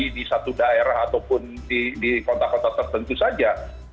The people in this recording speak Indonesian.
jadi di satu daerah ataupun di kota kota tertentu saja